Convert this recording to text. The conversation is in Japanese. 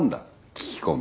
聞き込み。